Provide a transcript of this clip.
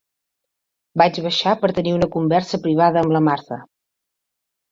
Vaig baixar per tenir una conversa privada amb la Martha.